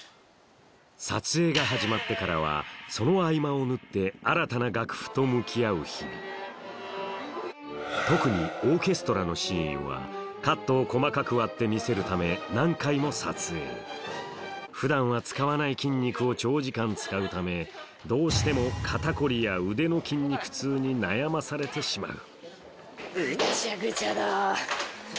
撮影が始まってからはその合間を縫って新たな楽譜と向き合う日々特にオーケストラのシーンはカットを細かく割って見せるため何回も撮影普段は使わない筋肉を長時間使うためどうしても肩凝りや腕の筋肉痛に悩まされてしまう